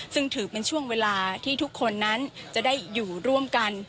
ซึ่งถือเป็นช่วงเวลาที่ทุกคนนั้นจะได้อยู่ร่วมกัน